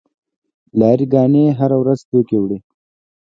لاری ګانې هره ورځ توکي وړي.